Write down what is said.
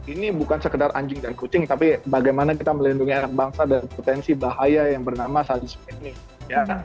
ini bukan sekedar anjing dan kucing tapi bagaimana kita melindungi anak bangsa dan potensi bahaya yang bernama salisme ini